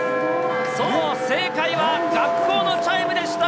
そう、正解は学校のチャイムでした。